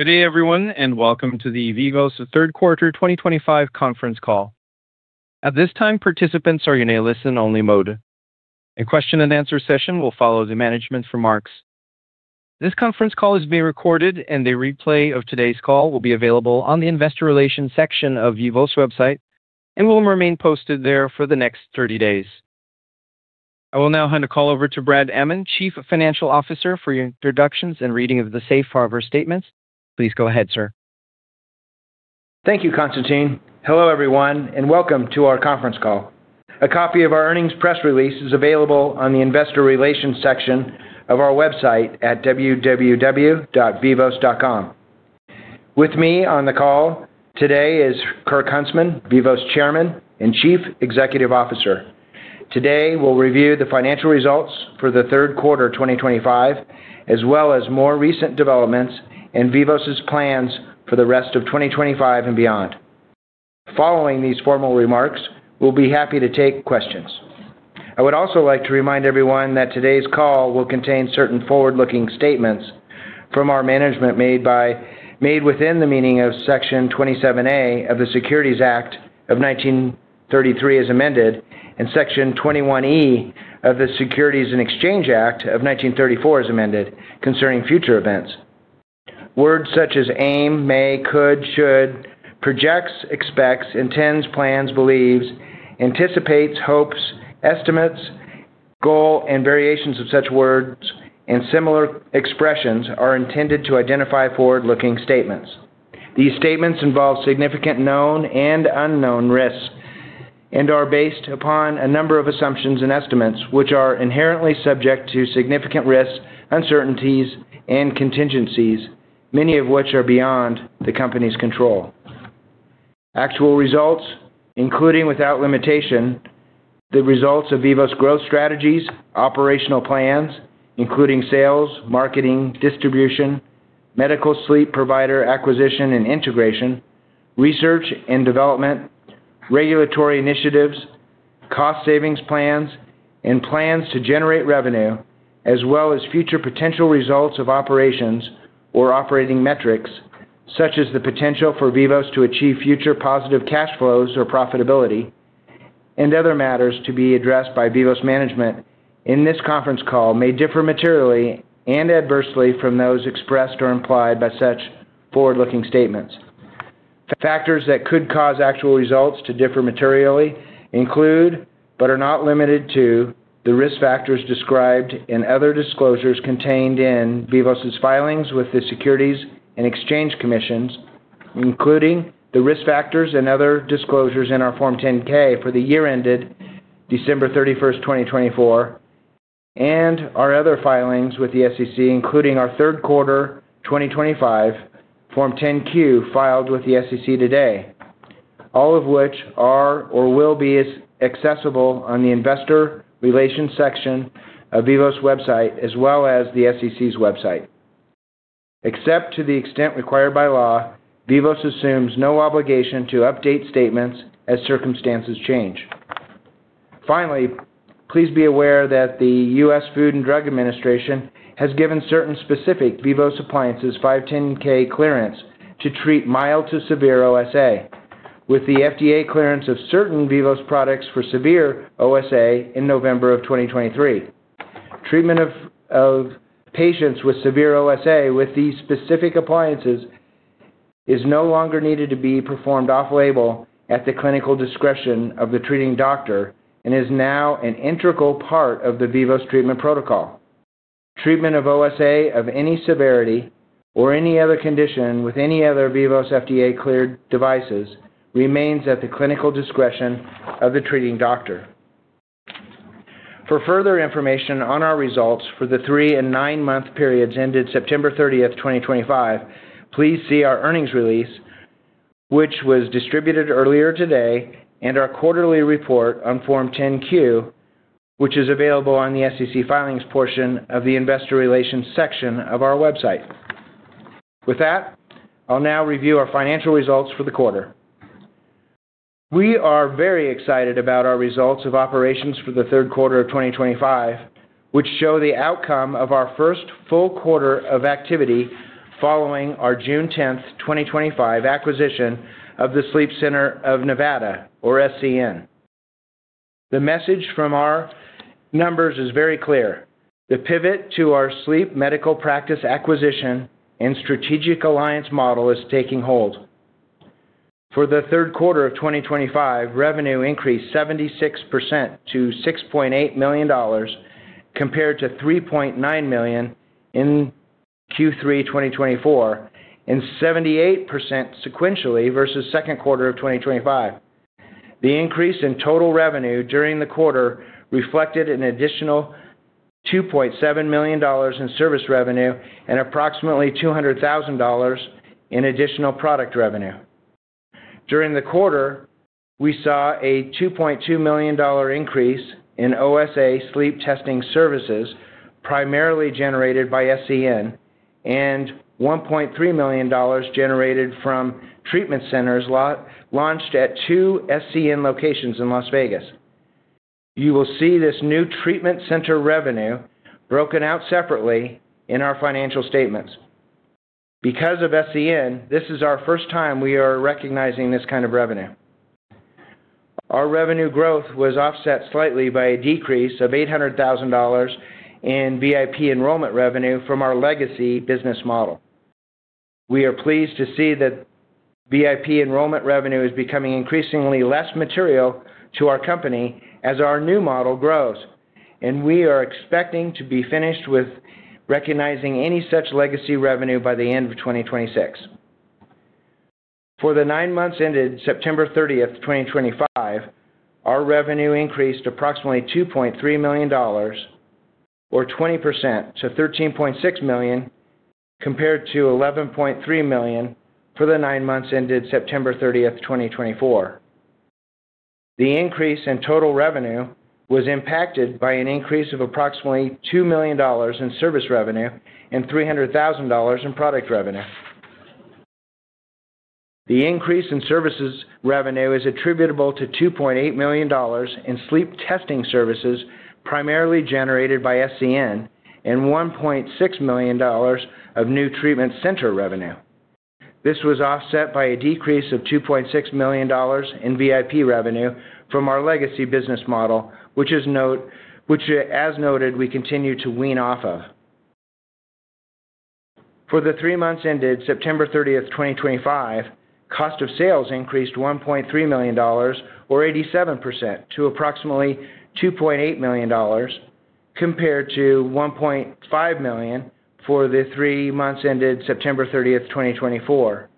Good day, everyone, and welcome to the Vivos Third Quarter 2025 Conference Call. At this time, participants are in a listen-only mode. A question-and-answer session will follow the management's remarks. This conference call is being recorded, and the replay of today's call will be available on the Investor Relations section of Vivos' website and will remain posted there for the next 30 days. I will now hand the call over to Brad Amman, Chief Financial Officer, for introductions and reading of the Safe Harbor Statements. Please go ahead, sir. Thank you, Constantine. Hello, everyone, and welcome to our conference call. A copy of our earnings press release is available on the Investor Relations section of our website at www.vivos.com. With me on the call today is Kirk Huntsman, Vivos' Chairman and Chief Executive Officer. Today, we'll review the financial results for the third quarter 2025, as well as more recent developments and Vivos' plans for the rest of 2025 and beyond. Following these formal remarks, we'll be happy to take questions. I would also like to remind everyone that today's call will contain certain forward-looking statements from our management made within the meaning of Section 27A of the Securities Act of 1933 as amended, and Section 21E of the Securities and Exchange Act of 1934 as amended, concerning future events. Words such as aim, may, could, should, projects, expects, intends, plans, believes, anticipates, hopes, estimates, goal, and variations of such words and similar expressions are intended to identify forward-looking statements. These statements involve significant known and unknown risks and are based upon a number of assumptions and estimates which are inherently subject to significant risks, uncertainties, and contingencies, many of which are beyond the company's control. Actual results, including without limitation, the results of Vivos' growth strategies, operational plans, including sales, marketing, distribution, medical, sleep provider acquisition and integration, research and development, regulatory initiatives, cost savings plans, and plans to generate revenue, as well as future potential results of operations or operating metrics, such as the potential for Vivos to achieve future positive cash flows or profitability, and other matters to be addressed by Vivos management in this conference call may differ materially and adversely from those expressed or implied by such forward-looking statements. Factors that could cause actual results to differ materially include, but are not limited to, the risk factors described in other disclosures contained in Vivos' filings with the Securities and Exchange Commission, including the risk factors and other disclosures in our Form 10-K for the year ended December 31, 2024, and our other filings with the SEC, including our third quarter 2025 Form 10-Q filed with the SEC today, all of which are or will be accessible on the Investor Relations section of Vivos' website, as well as the SEC's website. Except to the extent required by law, Vivos assumes no obligation to update statements as circumstances change. Finally, please be aware that the U.S. Food and Drug Administration has given certain specific Vivos appliances 510(k) clearance to treat mild to severe OSA, with the FDA clearance of certain Vivos products for severe OSA in November of 2023. Treatment of patients with severe OSA with these specific appliances is no longer needed to be performed off-label at the clinical discretion of the treating doctor and is now an integral part of the Vivos treatment protocol. Treatment of OSA of any severity or any other condition with any other Vivos FDA-cleared devices remains at the clinical discretion of the treating doctor. For further information on our results for the three and nine-month periods ended September 30, 2025, please see our earnings release, which was distributed earlier today, and our quarterly report on Form 10-Q, which is available on the SEC filings portion of the Investor Relations section of our website. With that, I'll now review our financial results for the quarter. We are very excited about our results of operations for the third quarter of 2025, which show the outcome of our first full quarter of activity following our June 10th, 2025, acquisition of the Sleep Center of Nevada, or SCN. The message from our numbers is very clear. The pivot to our sleep medical practice acquisition and strategic alliance model is taking hold. For the third quarter of 2025, revenue increased 76% to $6.8 million, compared to $3.9 million in Q3 2024, and 78% sequentially versus second quarter of 2025. The increase in total revenue during the quarter reflected an additional $2.7 million in service revenue and approximately $200,000 in additional product revenue. During the quarter, we saw a $2.2 million increase in OSA sleep testing services, primarily generated by SCN, and $1.3 million generated from treatment centers launched at two SCN locations in Las Vegas. You will see this new treatment center revenue broken out separately in our financial statements. Because of SCN, this is our first time we are recognizing this kind of revenue. Our revenue growth was offset slightly by a decrease of $800,000 in VIP enrollment revenue from our legacy business model. We are pleased to see that VIP enrollment revenue is becoming increasingly less material to our company as our new model grows, and we are expecting to be finished with recognizing any such legacy revenue by the end of 2026. For the nine months ended September 30, 2025, our revenue increased approximately $2.3 million, or 20% to $13.6 million, compared to $11.3 million for the nine months ended September 30, 2024. The increase in total revenue was impacted by an increase of approximately $2 million in service revenue and $300,000 in product revenue. The increase in services revenue is attributable to $2.8 million in sleep testing services primarily generated by SCN and $1.6 million of new treatment center revenue. This was offset by a decrease of $2.6 million in VIP revenue from our legacy business model, which, as noted, we continue to wean off of. For the three months ended September 30, 2025, cost of sales increased $1.3 million, or 87%, to approximately $2.8 million, compared to $1.5 million for the three months ended September 30, 2024.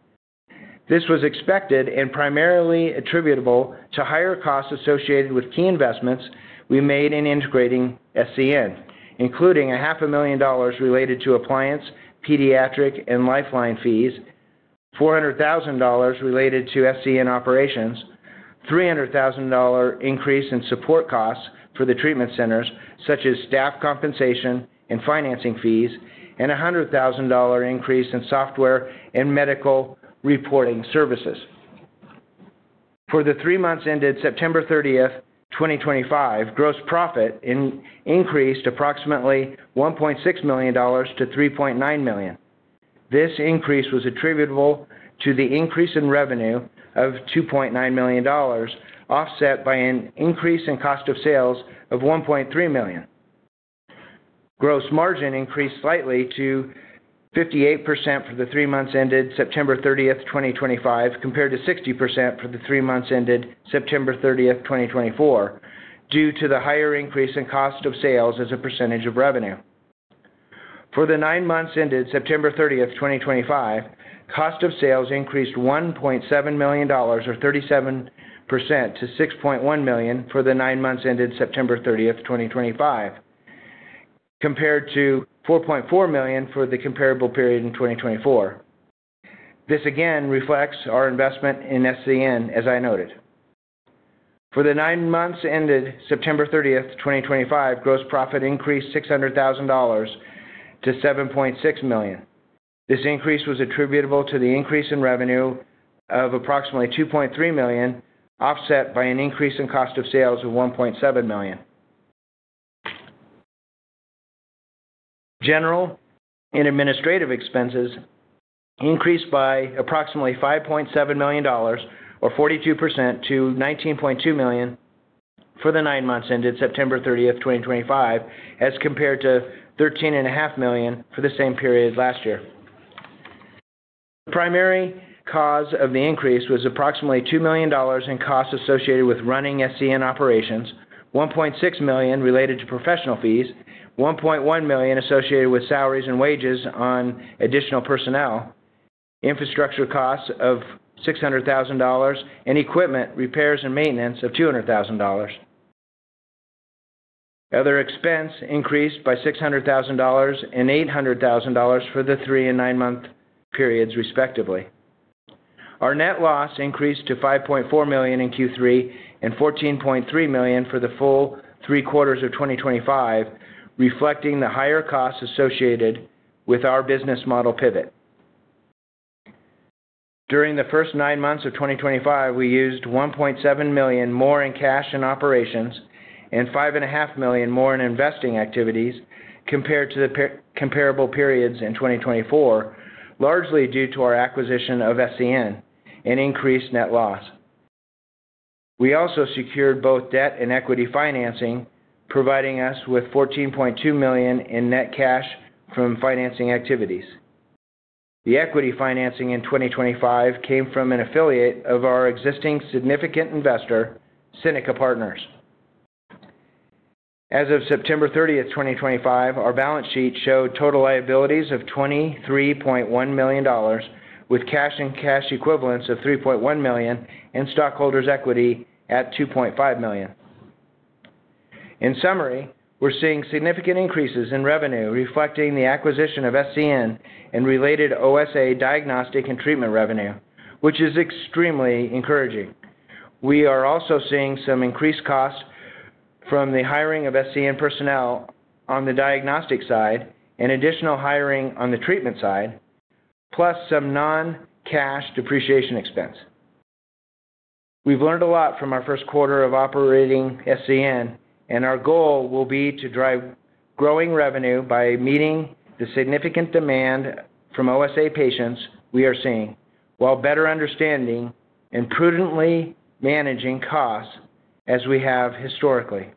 This was expected and primarily attributable to higher costs associated with key investments we made in integrating SCN, including $500,000 related to appliance, pediatric, and lifeline fees, $400,000 related to SCN operations, a $300,000 increase in support costs for the treatment centers, such as staff compensation and financing fees, and a $100,000 increase in software and medical reporting services. For the three months ended September 30, 2025, gross profit increased approximately $1.6 million-$3.9 million. This increase was attributable to the increase in revenue of $2.9 million, offset by an increase in cost of sales of $1.3 million. Gross margin increased slightly to 58% for the three months ended September 30, 2025, compared to 60% for the three months ended September 30, 2024, due to the higher increase in cost of sales as a percentage of revenue. For the nine months ended September 30, 2025, cost of sales increased $1.7 million, or 37%, to $6.1 million for the nine months ended September 30, 2025, compared to $4.4 million for the comparable period in 2024. This again reflects our investment in SCN, as I noted. For the nine months ended September 30, 2025, gross profit increased $600,000-$7.6 million. This increase was attributable to the increase in revenue of approximately $2.3 million, offset by an increase in cost of sales of $1.7 million. General and administrative expenses increased by approximately $5.7 million, or 42%, to $19.2 million for the nine months ended September 30, 2025, as compared to $13.5 million for the same period last year. The primary cause of the increase was approximately $2 million in costs associated with running SCN operations, $1.6 million related to professional fees, $1.1 million associated with salaries and wages on additional personnel, infrastructure costs of $600,000, and equipment repairs and maintenance of $200,000. Other expense increased by $600,000 and $800,000 for the three and nine-month periods, respectively. Our net loss increased to $5.4 million in Q3 and $14.3 million for the full three quarters of 2025, reflecting the higher costs associated with our business model pivot. During the first nine months of 2025, we used $1.7 million more in cash in operations and $5.5 million more in investing activities, compared to the comparable periods in 2024, largely due to our acquisition of SCN and increased net loss. We also secured both debt and equity financing, providing us with $14.2 million in net cash from financing activities. The equity financing in 2025 came from an affiliate of our existing significant investor, Seneca Partners. As of September 30, 2025, our balance sheet showed total liabilities of $23.1 million, with cash and cash equivalents of $3.1 million and stockholders' equity at $2.5 million. In summary, we are seeing significant increases in revenue reflecting the acquisition of SCN and related OSA diagnostic and treatment revenue, which is extremely encouraging. We are also seeing some increased costs from the hiring of SCN personnel on the diagnostic side and additional hiring on the treatment side, plus some non-cash depreciation expense. We've learned a lot from our first quarter of operating SCN, and our goal will be to drive growing revenue by meeting the significant demand from OSA patients we are seeing, while better understanding and prudently managing costs as we have historically.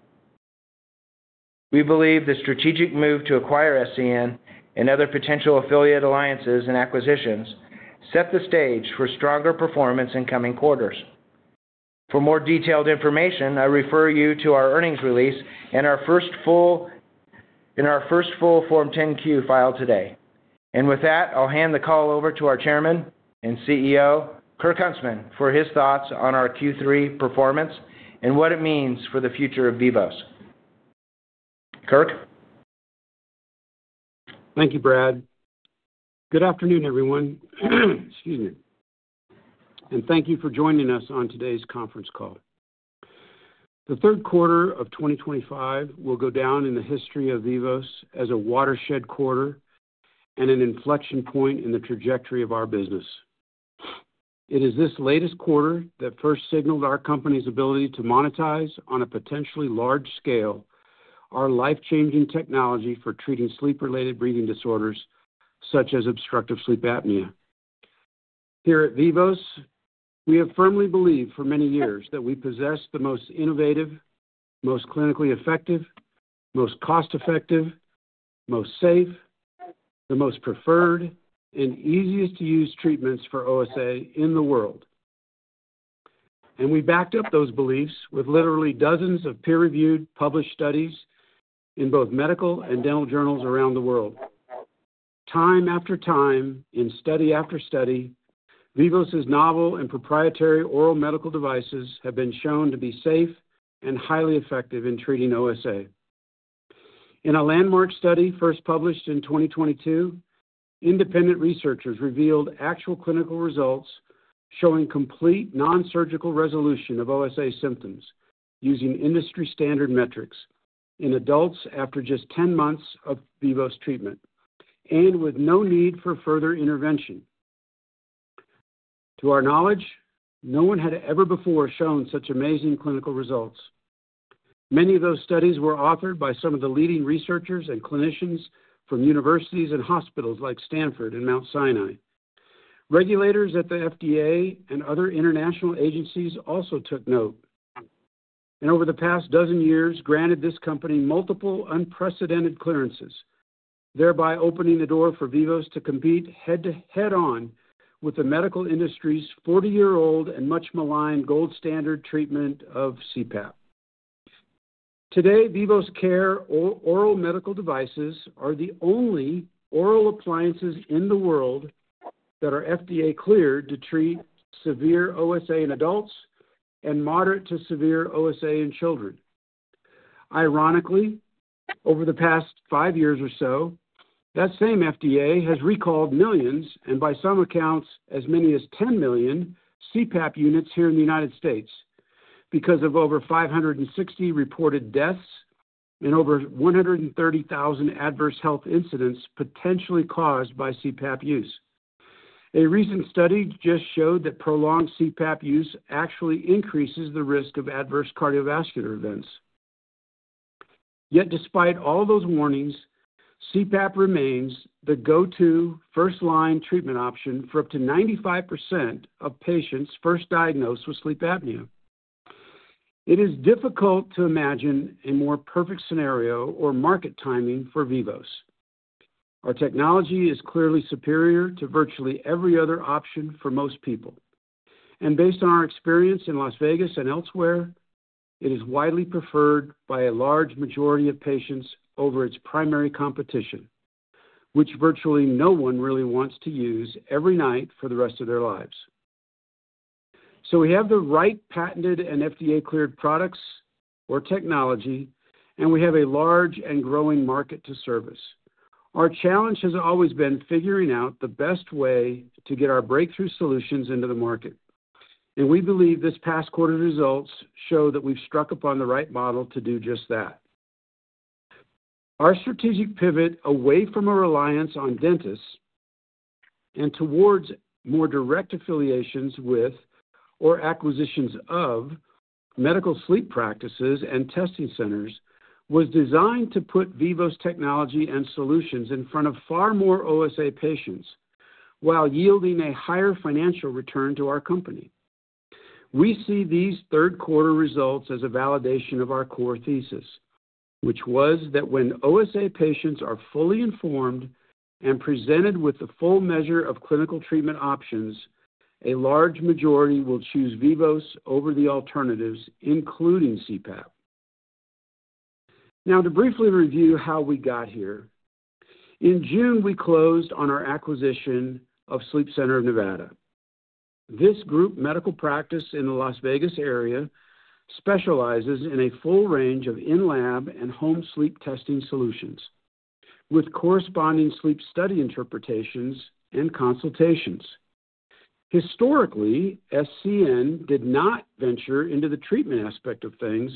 We believe the strategic move to acquire SCN and other potential affiliate alliances and acquisitions set the stage for stronger performance in coming quarters. For more detailed information, I refer you to our earnings release and our first full Form 10-Q filed today. With that, I'll hand the call over to our Chairman and CEO, Kirk Huntsman, for his thoughts on our Q3 performance and what it means for the future of Vivos. Kirk? Thank you, Brad. Good afternoon, everyone. Excuse me. Thank you for joining us on today's conference call. The third quarter of 2025 will go down in the history of Vivos as a watershed quarter and an inflection point in the trajectory of our business. It is this latest quarter that first signaled our company's ability to monetize on a potentially large scale our life-changing technology for treating sleep-related breathing disorders such as obstructive sleep apnea. Here at Vivos, we have firmly believed for many years that we possess the most innovative, most clinically effective, most cost-effective, most safe, the most preferred, and easiest-to-use treatments for OSA in the world. We backed up those beliefs with literally dozens of peer-reviewed published studies in both medical and dental journals around the world. Time after time and study after study, Vivos' novel and proprietary oral medical devices have been shown to be safe and highly effective in treating OSA. In a landmark study first published in 2022, independent researchers revealed actual clinical results showing complete nonsurgical resolution of OSA symptoms using industry-standard metrics in adults after just 10 months of Vivos treatment, and with no need for further intervention. To our knowledge, no one had ever before shown such amazing clinical results. Many of those studies were authored by some of the leading researchers and clinicians from universities and hospitals like Stanford and Mount Sinai. Regulators at the FDA and other international agencies also took note. Over the past dozen years, they granted this company multiple unprecedented clearances, thereby opening the door for Vivos to compete head-to-head with the medical industry's 40-year-old and much-maligned gold standard treatment of CPAP. Today, Vivos Care oral medical devices are the only oral appliances in the world that are FDA-cleared to treat severe OSA in adults and moderate to severe OSA in children. Ironically, over the past five years or so, that same FDA has recalled millions and, by some accounts, as many as 10 million CPAP units here in the United States because of over 560 reported deaths and over 130,000 adverse health incidents potentially caused by CPAP use. A recent study just showed that prolonged CPAP use actually increases the risk of adverse cardiovascular events. Yet, despite all those warnings, CPAP remains the go-to first-line treatment option for up to 95% of patients first diagnosed with sleep apnea. It is difficult to imagine a more perfect scenario or market timing for Vivos. Our technology is clearly superior to virtually every other option for most people. Based on our experience in Las Vegas and elsewhere, it is widely preferred by a large majority of patients over its primary competition, which virtually no one really wants to use every night for the rest of their lives. We have the right patented and FDA-cleared products or technology, and we have a large and growing market to service. Our challenge has always been figuring out the best way to get our breakthrough solutions into the market. We believe this past quarter's results show that we've struck upon the right model to do just that. Our strategic pivot away from a reliance on dentists and towards more direct affiliations with or acquisitions of medical sleep practices and testing centers was designed to put Vivos technology and solutions in front of far more OSA patients while yielding a higher financial return to our company. We see these third-quarter results as a validation of our core thesis, which was that when OSA patients are fully informed and presented with the full measure of clinical treatment options, a large majority will choose Vivos over the alternatives, including CPAP. Now, to briefly review how we got here, in June, we closed on our acquisition of Sleep Center of Nevada. This group medical practice in the Las Vegas area specializes in a full range of in-lab and home sleep testing solutions with corresponding sleep study interpretations and consultations. Historically, SCN did not venture into the treatment aspect of things,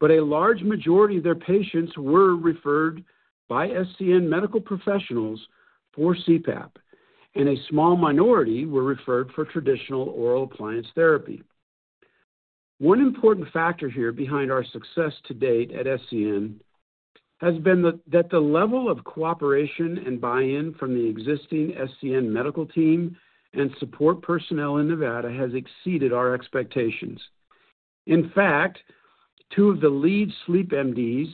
but a large majority of their patients were referred by SCN medical professionals for CPAP, and a small minority were referred for traditional oral appliance therapy. One important factor here behind our success to date at SCN has been that the level of cooperation and buy-in from the existing SCN medical team and support personnel in Nevada has exceeded our expectations. In fact, two of the lead sleep MDs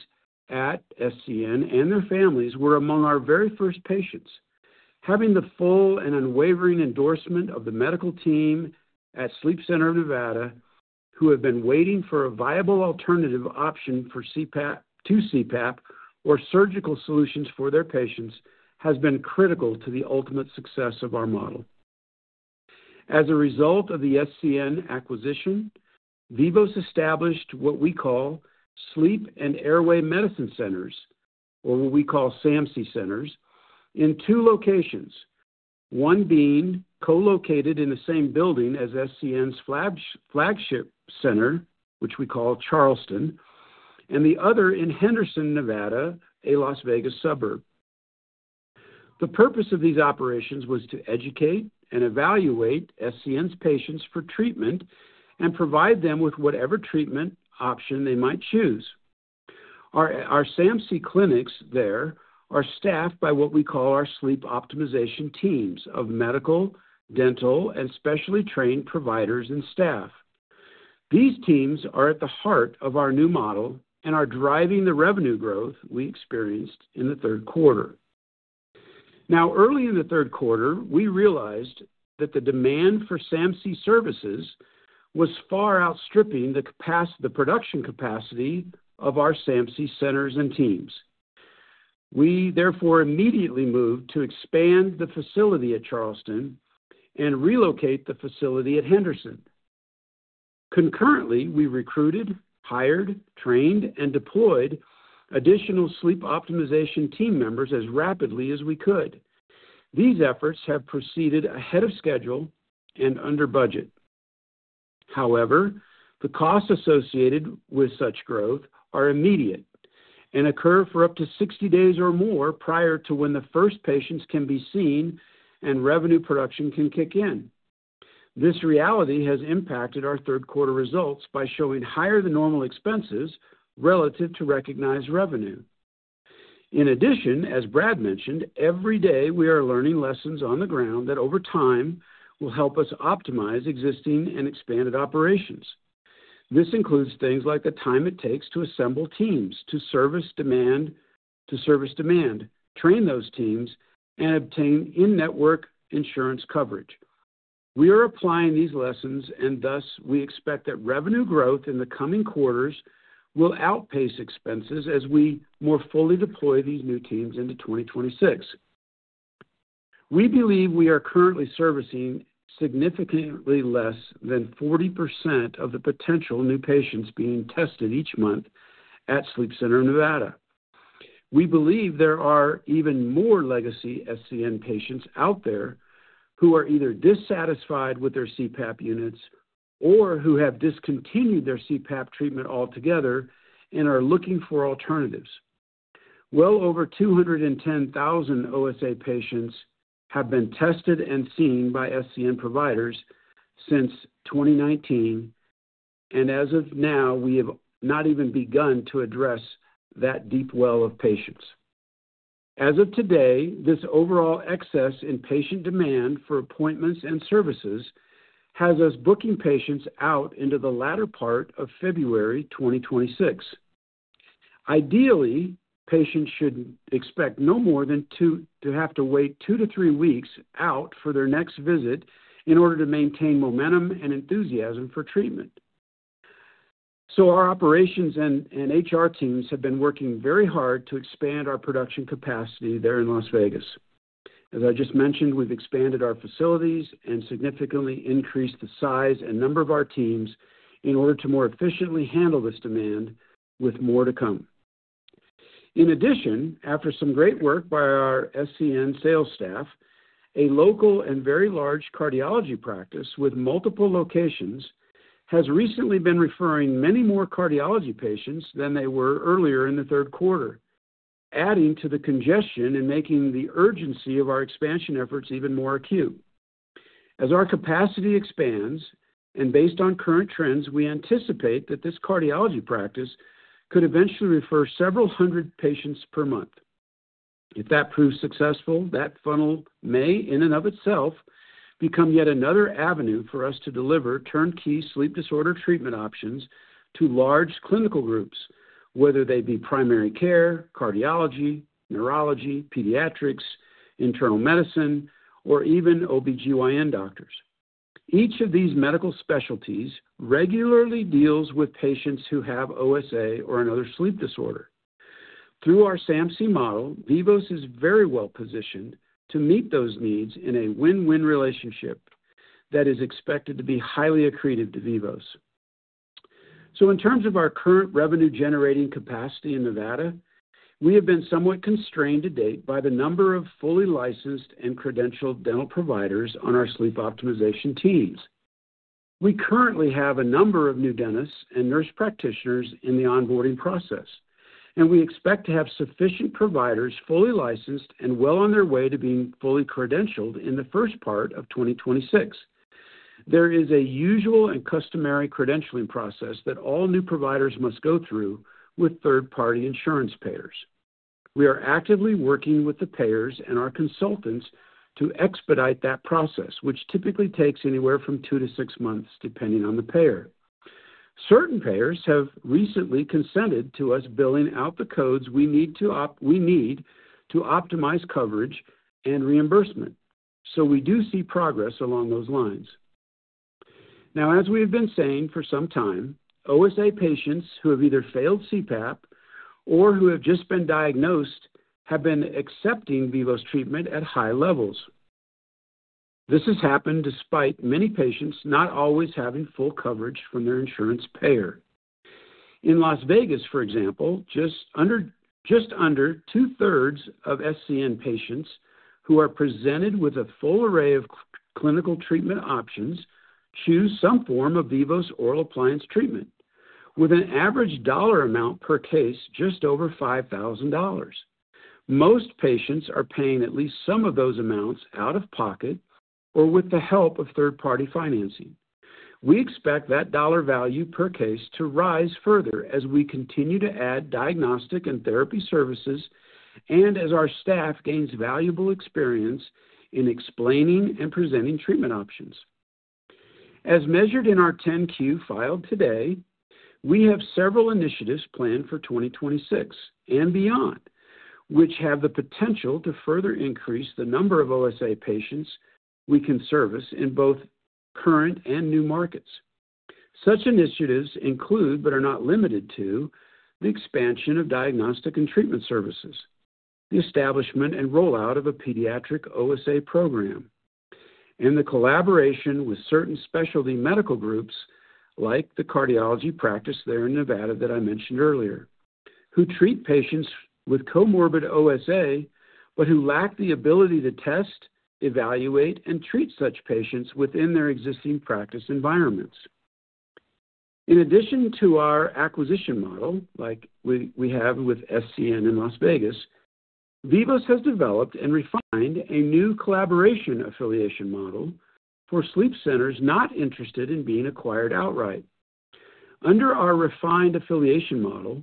at SCN and their families were among our very first patients. Having the full and unwavering endorsement of the medical team at Sleep Center of Nevada, who have been waiting for a viable alternative option for CPAP to CPAP or surgical solutions for their patients, has been critical to the ultimate success of our model. As a result of the SCN acquisition, Vivos established what we call Sleep and Airway Medicine Centers, or what we call SAMC Centers, in two locations, one being co-located in the same building as SCN's flagship center, which we call Charleston, and the other in Henderson, Nevada, a Las Vegas suburb. The purpose of these operations was to educate and evaluate SCN's patients for treatment and provide them with whatever treatment option they might choose. Our SAMC clinics there are staffed by what we call our sleep optimization teams of medical, dental, and specially trained providers and staff. These teams are at the heart of our new model and are driving the revenue growth we experienced in the third quarter. Now, early in the third quarter, we realized that the demand for SAMC services was far outstripping the production capacity of our SAMC centers and teams. We, therefore, immediately moved to expand the facility at Charleston and relocate the facility at Henderson. Concurrently, we recruited, hired, trained, and deployed additional sleep optimization team members as rapidly as we could. These efforts have proceeded ahead of schedule and under budget. However, the costs associated with such growth are immediate and occur for up to 60 days or more prior to when the first patients can be seen and revenue production can kick in. This reality has impacted our third-quarter results by showing higher than normal expenses relative to recognized revenue. In addition, as Brad mentioned, every day we are learning lessons on the ground that over time will help us optimize existing and expanded operations. This includes things like the time it takes to assemble teams to service demand, train those teams, and obtain in-network insurance coverage. We are applying these lessons, and thus we expect that revenue growth in the coming quarters will outpace expenses as we more fully deploy these new teams into 2026. We believe we are currently servicing significantly less than 40% of the potential new patients being tested each month at Sleep Center of Nevada. We believe there are even more legacy SCN patients out there who are either dissatisfied with their CPAP units or who have discontinued their CPAP treatment altogether and are looking for alternatives. Well over 210,000 OSA patients have been tested and seen by SCN providers since 2019, and as of now, we have not even begun to address that deep well of patients. As of today, this overall excess in patient demand for appointments and services has us booking patients out into the latter part of February 2026. Ideally, patients should expect no more than to have to wait two to three weeks out for their next visit in order to maintain momentum and enthusiasm for treatment. Our operations and HR teams have been working very hard to expand our production capacity there in Las Vegas. As I just mentioned, we've expanded our facilities and significantly increased the size and number of our teams in order to more efficiently handle this demand with more to come. In addition, after some great work by our SCN sales staff, a local and very large cardiology practice with multiple locations has recently been referring many more cardiology patients than they were earlier in the third quarter, adding to the congestion and making the urgency of our expansion efforts even more acute. As our capacity expands and based on current trends, we anticipate that this cardiology practice could eventually refer several hundred patients per month. If that proves successful, that funnel may, in and of itself, become yet another avenue for us to deliver turnkey sleep disorder treatment options to large clinical groups, whether they be primary care, cardiology, neurology, pediatrics, internal medicine, or even OB-GYN doctors. Each of these medical specialties regularly deals with patients who have OSA or another sleep disorder. Through our SAMC model, Vivos is very well positioned to meet those needs in a win-win relationship that is expected to be highly accretive to Vivos. In terms of our current revenue-generating capacity in Nevada, we have been somewhat constrained to date by the number of fully licensed and credentialed dental providers on our sleep optimization teams. We currently have a number of new dentists and nurse practitioners in the onboarding process, and we expect to have sufficient providers fully licensed and well on their way to being fully credentialed in the first part of 2026. There is a usual and customary credentialing process that all new providers must go through with third-party insurance payers. We are actively working with the payers and our consultants to expedite that process, which typically takes anywhere from two to six months, depending on the payer. Certain payers have recently consented to us billing out the codes we need to optimize coverage and reimbursement. We do see progress along those lines. Now, as we have been saying for some time, OSA patients who have either failed CPAP or who have just been diagnosed have been accepting Vivos treatment at high levels. This has happened despite many patients not always having full coverage from their insurance payer. In Las Vegas, for example, just under two-thirds of SCN patients who are presented with a full array of clinical treatment options choose some form of Vivos oral appliance treatment, with an average dollar amount per case just over $5,000. Most patients are paying at least some of those amounts out of pocket or with the help of third-party financing. We expect that dollar value per case to rise further as we continue to add diagnostic and therapy services and as our staff gains valuable experience in explaining and presenting treatment options. As measured in our 10-Q filed today, we have several initiatives planned for 2026 and beyond, which have the potential to further increase the number of OSA patients we can service in both current and new markets. Such initiatives include, but are not limited to, the expansion of diagnostic and treatment services, the establishment and rollout of a pediatric OSA program, and the collaboration with certain specialty medical groups like the cardiology practice there in Nevada that I mentioned earlier, who treat patients with comorbid OSA, but who lack the ability to test, evaluate, and treat such patients within their existing practice environments. In addition to our acquisition model, like we have with SCN in Las Vegas, Vivos has developed and refined a new collaboration affiliation model for sleep centers not interested in being acquired outright. Under our refined affiliation model,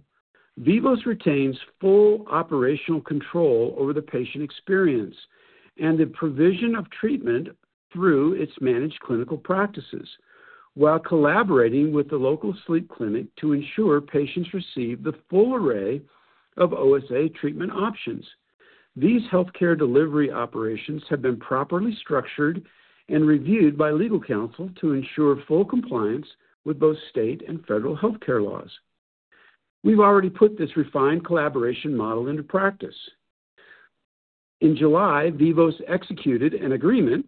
Vivos retains full operational control over the patient experience and the provision of treatment through its managed clinical practices, while collaborating with the local sleep clinic to ensure patients receive the full array of OSA treatment options. These healthcare delivery operations have been properly structured and reviewed by legal counsel to ensure full compliance with both state and federal healthcare laws. We've already put this refined collaboration model into practice. In July, Vivos executed an agreement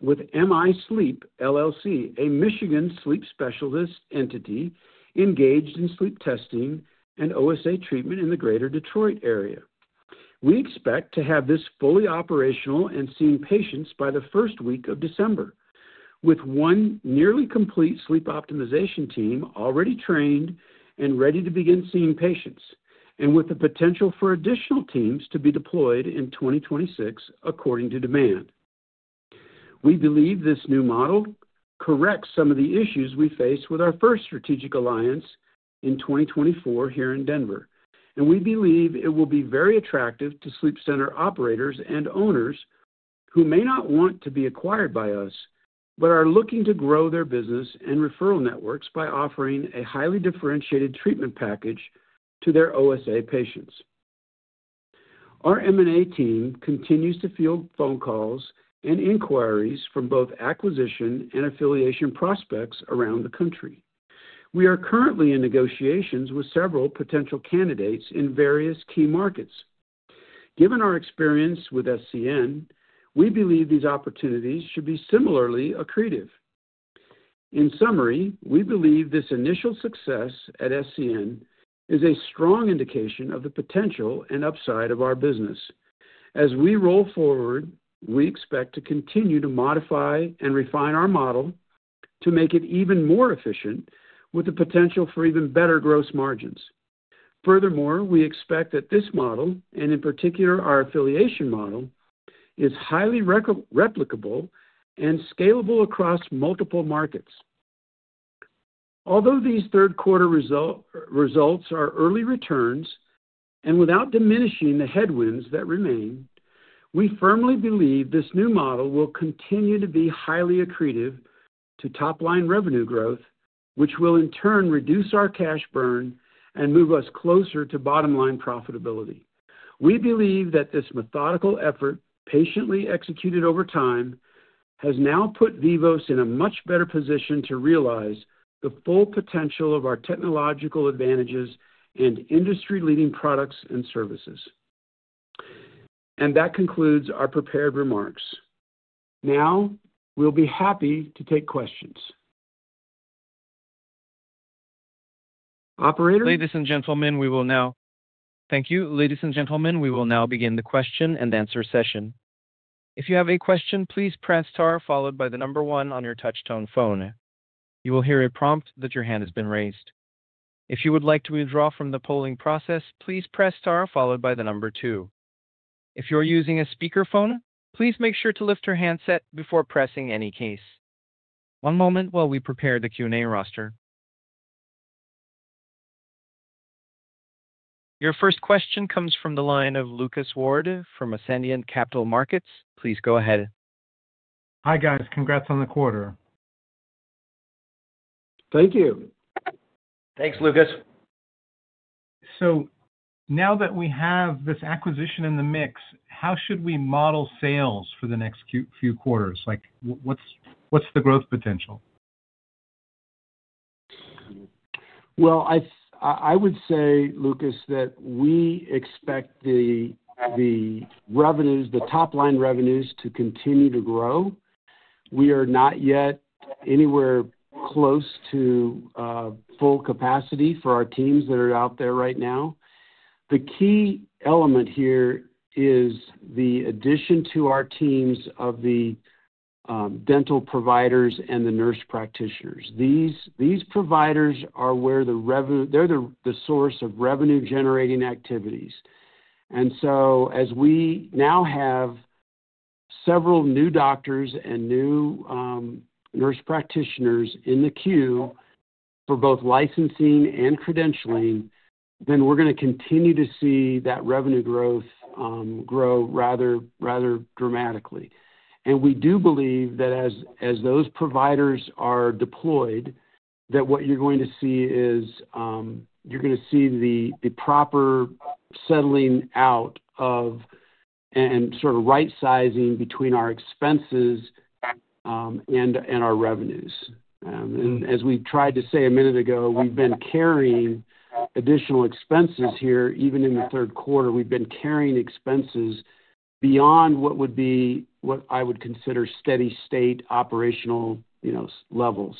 with MI Sleep LLC, a Michigan sleep specialist entity engaged in sleep testing and OSA treatment in the greater Detroit area. We expect to have this fully operational and seeing patients by the first week of December, with one nearly complete sleep optimization team already trained and ready to begin seeing patients, and with the potential for additional teams to be deployed in 2026 according to demand. We believe this new model corrects some of the issues we faced with our first strategic alliance in 2024 here in Denver, and we believe it will be very attractive to sleep center operators and owners who may not want to be acquired by us, but are looking to grow their business and referral networks by offering a highly differentiated treatment package to their OSA patients. Our M&A team continues to field phone calls and inquiries from both acquisition and affiliation prospects around the country. We are currently in negotiations with several potential candidates in various key markets. Given our experience with SCN, we believe these opportunities should be similarly accretive. In summary, we believe this initial success at SCN is a strong indication of the potential and upside of our business. As we roll forward, we expect to continue to modify and refine our model to make it even more efficient, with the potential for even better gross margins. Furthermore, we expect that this model, and in particular our affiliation model, is highly replicable and scalable across multiple markets. Although these third-quarter results are early returns and without diminishing the headwinds that remain, we firmly believe this new model will continue to be highly accretive to top-line revenue growth, which will in turn reduce our cash burn and move us closer to bottom-line profitability. We believe that this methodical effort, patiently executed over time, has now put Vivos in a much better position to realize the full potential of our technological advantages and industry-leading products and services. That concludes our prepared remarks. Now, we'll be happy to take questions. Operators. Ladies and gentlemen, we will now. Thank you. Ladies and gentlemen, we will now begin the question and answer session. If you have a question, please press star followed by the number one on your touchtone phone. You will hear a prompt that your hand has been raised. If you would like to withdraw from the polling process, please press star followed by the number two. If you're using a speakerphone, please make sure to lift your handset before pressing any key. One moment while we prepare the Q&A roster. Your first question comes from the line of Lucas Ward from Ascendiant Capital Markets. Please go ahead. Hi guys. Congrats on the quarter. Thank you. Thanks, Lucas. Now that we have this acquisition in the mix, how should we model sales for the next few quarters? What's the growth potential? I would say, Lucas, that we expect the revenues, the top-line revenues, to continue to grow. We are not yet anywhere close to full capacity for our teams that are out there right now. The key element here is the addition to our teams of the dental providers and the nurse practitioners. These providers are where the revenue—they're the source of revenue-generating activities. As we now have several new doctors and new nurse practitioners in the queue for both licensing and credentialing, we're going to continue to see that revenue growth grow rather dramatically. We do believe that as those providers are deployed, what you're going to see is you're going to see the proper settling out and sort of right-sizing between our expenses and our revenues. As we've tried to say a minute ago, we've been carrying additional expenses here. Even in the third quarter, we've been carrying expenses beyond what would be what I would consider steady-state operational levels.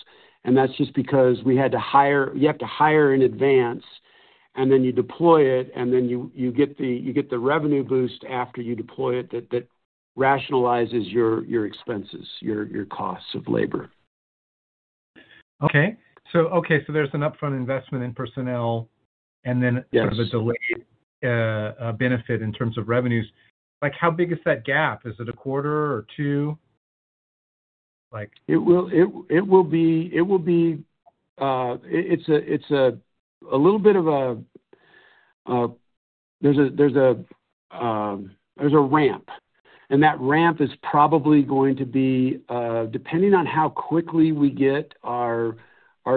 That's just because we had to hire—you have to hire in advance, and then you deploy it, and then you get the revenue boost after you deploy it that rationalizes your expenses, your costs of labor. Okay. There's an upfront investment in personnel and then sort of a delayed benefit in terms of revenues. How big is that gap? Is it a quarter or two? It will be—it's a little bit of a—there's a ramp. That ramp is probably going to be, depending on how quickly we get our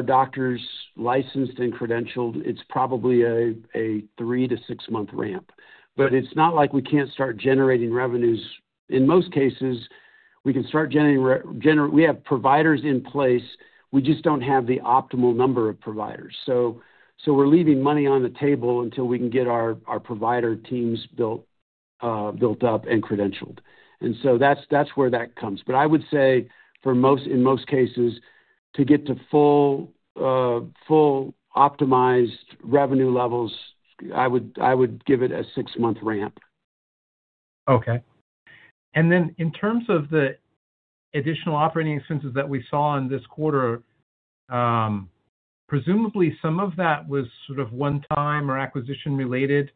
doctors licensed and credentialed, it's probably a three to six-month ramp. It's not like we can't start generating revenues. In most cases, we can start generating—we have providers in place. We just don't have the optimal number of providers. We're leaving money on the table until we can get our provider teams built up and credentialed. That's where that comes. I would say, in most cases, to get to full optimized revenue levels, I would give it a six-month ramp. Okay. In terms of the additional operating expenses that we saw in this quarter, presumably some of that was sort of one-time or acquisition-related.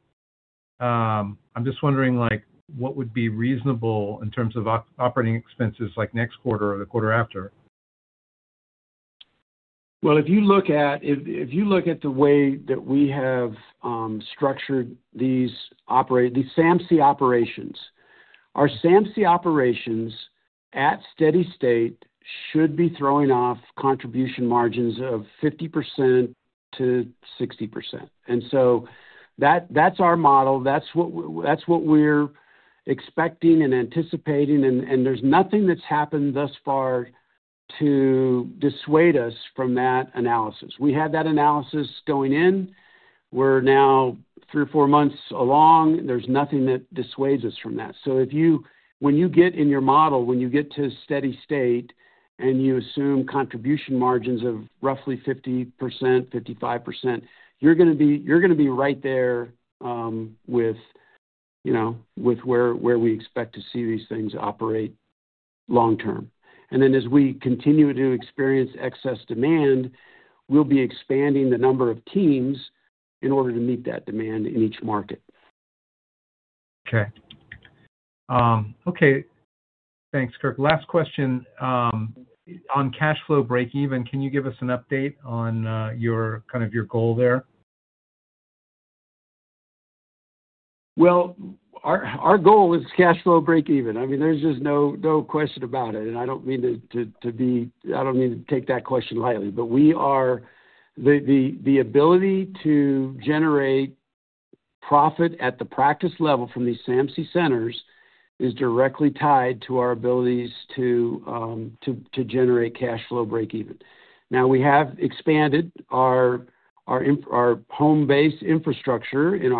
I'm just wondering what would be reasonable in terms of operating expenses next quarter or the quarter after. If you look at the way that we have structured these SAMC operations, our SAMC operations at steady-state should be throwing off contribution margins of 50%-60%. That's our model. That's what we're expecting and anticipating. There's nothing that's happened thus far to dissuade us from that analysis. We had that analysis going in. We're now three or four months along. There's nothing that dissuades us from that. When you get in your model, when you get to steady-state and you assume contribution margins of roughly 50%-55%, you're going to be right there with where we expect to see these things operate long-term. As we continue to experience excess demand, we'll be expanding the number of teams in order to meet that demand in each market. Okay. Thanks, Kirk. Last question. On cash flow break-even, can you give us an update on kind of your goal there? Our goal is cash flow break-even. I mean, there's just no question about it. I don't mean to be—I don't mean to take that question lightly. The ability to generate profit at the practice level from these SAMC centers is directly tied to our abilities to generate cash flow break-even. We have expanded our home-based infrastructure in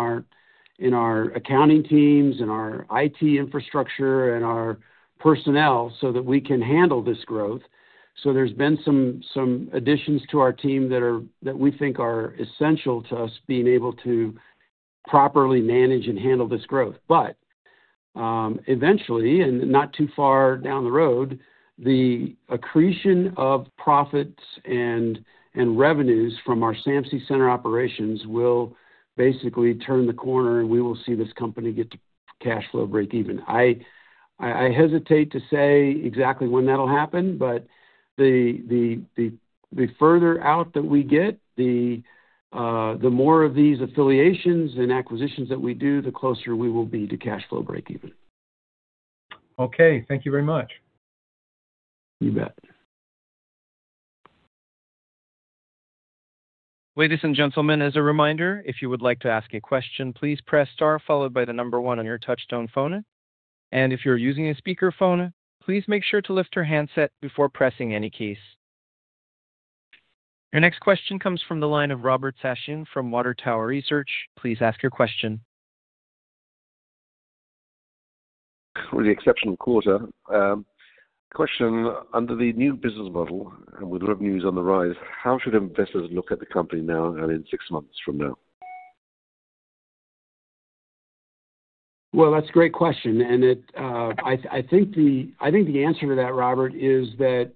our accounting teams, in our IT infrastructure, and our personnel so that we can handle this growth. There have been some additions to our team that we think are essential to us being able to properly manage and handle this growth. Eventually, and not too far down the road, the accretion of profits and revenues from our SAMC center operations will basically turn the corner, and we will see this company get to cash flow break-even. I hesitate to say exactly when that'll happen, but the further out that we get, the more of these affiliations and acquisitions that we do, the closer we will be to cash flow break-even. Okay. Thank you very much. You bet. Ladies and gentlemen, as a reminder, if you would like to ask a question, please press star followed by the number one on your touchtone phone. If you're using a speakerphone, please make sure to lift your handset before pressing any case. Your next question comes from the line of Robert Sassoon from Water Tower Research. Please ask your question. With the exception of quarter, a question under the new business model and with revenues on the rise, how should investors look at the company now and in six months from now? That is a great question. I think the answer to that, Robert, is that,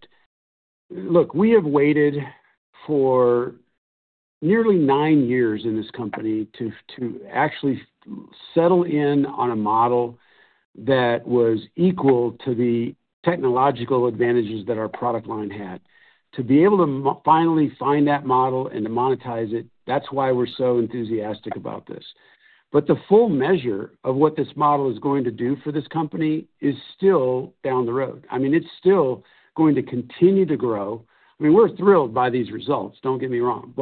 look, we have waited for nearly nine years in this company to actually settle in on a model that was equal to the technological advantages that our product line had. To be able to finally find that model and to monetize it, that's why we're so enthusiastic about this. The full measure of what this model is going to do for this company is still down the road. I mean, it's still going to continue to grow. I mean, we're thrilled by these results, don't get me wrong.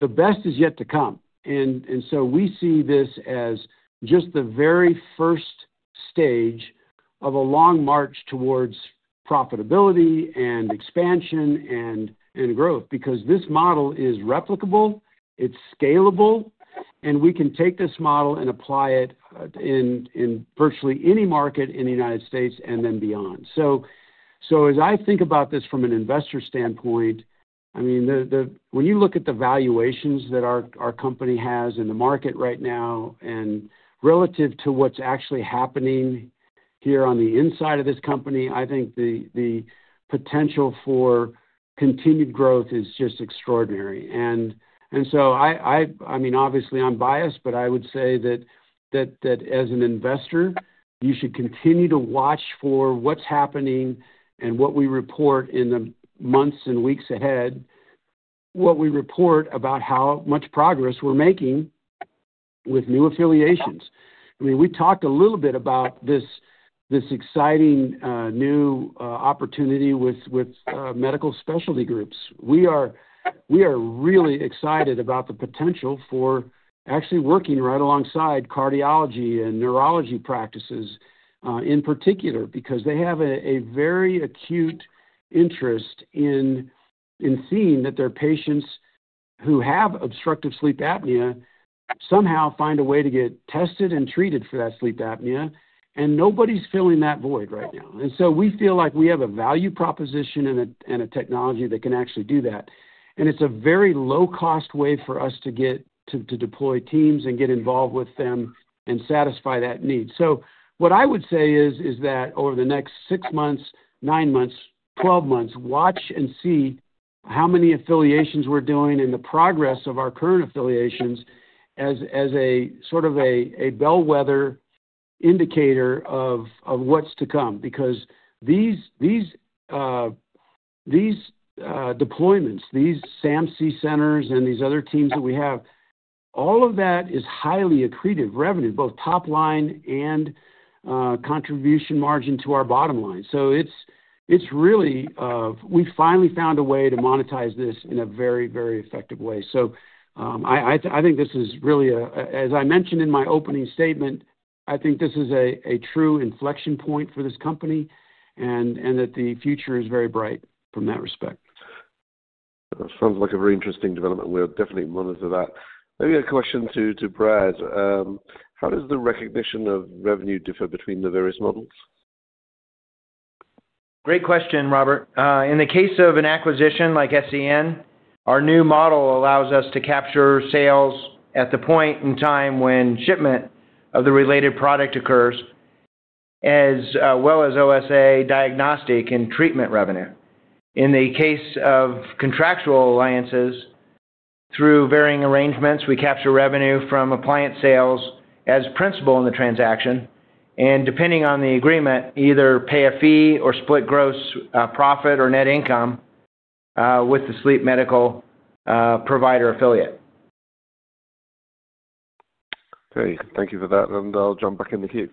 The best is yet to come. We see this as just the very first stage of a long march towards profitability and expansion and growth because this model is replicable, it's scalable, and we can take this model and apply it in virtually any market in the United States and then beyond. As I think about this from an investor standpoint, I mean, when you look at the valuations that our company has in the market right now and relative to what's actually happening here on the inside of this company, I think the potential for continued growth is just extraordinary. I mean, obviously, I'm biased, but I would say that as an investor, you should continue to watch for what's happening and what we report in the months and weeks ahead, what we report about how much progress we're making with new affiliations. I mean, we talked a little bit about this exciting new opportunity with medical specialty groups. We are really excited about the potential for actually working right alongside cardiology and neurology practices in particular because they have a very acute interest in seeing that their patients who have obstructive sleep apnea somehow find a way to get tested and treated for that sleep apnea. Nobody's filling that void right now. We feel like we have a value proposition and a technology that can actually do that. It is a very low-cost way for us to deploy teams and get involved with them and satisfy that need. What I would say is that over the next six months, nine months, twelve months, watch and see how many affiliations we're doing and the progress of our current affiliations as a sort of a bellwether indicator of what's to come because these deployments, these SAMC Centers and these other teams that we have, all of that is highly accretive revenue, both top-line and contribution margin to our bottom line. It's really we finally found a way to monetize this in a very, very effective way. I think this is really a, as I mentioned in my opening statement, I think this is a true inflection point for this company and that the future is very bright from that respect. Sounds like a very interesting development. We'll definitely monitor that. Maybe a question to Brad. How does the recognition of revenue differ between the various models? Great question, Robert. In the case of an acquisition like SCN, our new model allows us to capture sales at the point in time when shipment of the related product occurs, as well as OSA diagnostic and treatment revenue. In the case of contractual alliances, through varying arrangements, we capture revenue from appliance sales as principal in the transaction. Depending on the agreement, either pay a fee or split gross profit or net income with the sleep medical provider affiliate. Okay. Thank you for that. I'll jump back in the queue.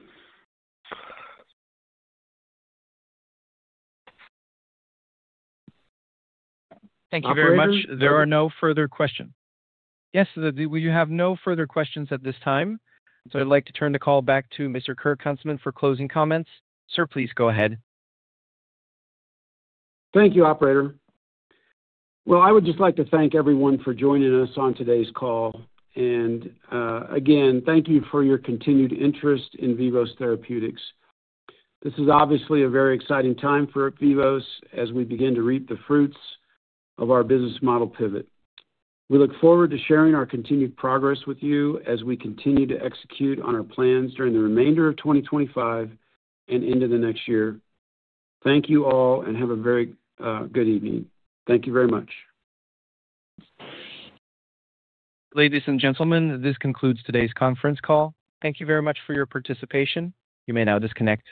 Thank you very much. There are no further questions. Yes, we have no further questions at this time. I'd like to turn the call back to Mr. Kirk Huntsman for closing comments. Sir, please go ahead. Thank you, Operator. I would just like to thank everyone for joining us on today's call. Thank you for your continued interest in Vivos Therapeutics. This is obviously a very exciting time for Vivos as we begin to reap the fruits of our business model pivot. We look forward to sharing our continued progress with you as we continue to execute on our plans during the remainder of 2025 and into the next year. Thank you all, and have a very good evening. Thank you very much. Ladies and gentlemen, this concludes today's conference call. Thank you very much for your participation. You may now disconnect.